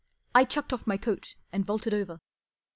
I chucked off my coat and vaulted over.